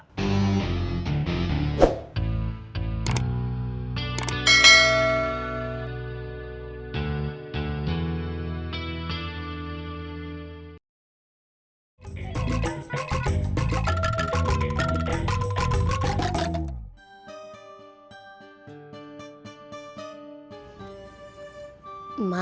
sampai ketemu kang